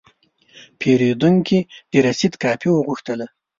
پیرودونکی د رسید کاپي وغوښته.